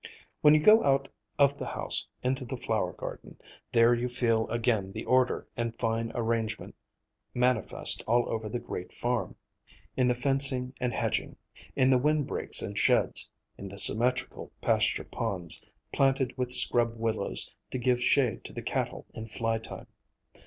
When you go out of the house into the flower garden, there you feel again the order and fine arrangement manifest all over the great farm; in the fencing and hedging, in the windbreaks and sheds, in the symmetrical pasture ponds, planted with scrub willows to give shade to the cattle in fly time.